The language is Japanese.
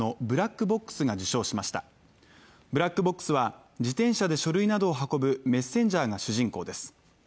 「ブラックボックス」は自転車で書類などを運ぶメッセンジャーが主人公です。